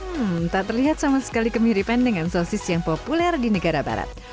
hmm tak terlihat sama sekali kemiripan dengan sosis yang populer di negara barat